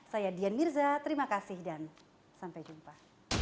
saya dian mirza terima kasih dan sampai jumpa